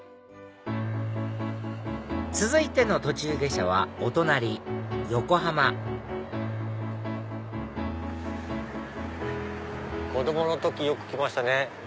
続いての途中下車はお隣横浜子供の時よく来ましたね。